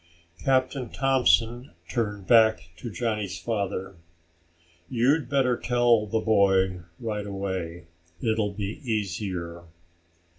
Captain Thompson turned back to Johnny's father. "You'd better tell the boy right away. It will be easier."